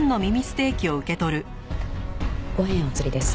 ５円お釣りです。